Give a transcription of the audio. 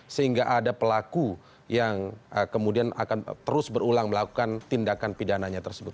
sehingga ada pelaku yang kemudian akan terus berulang melakukan tindakan pidananya tersebut